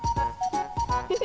フフ。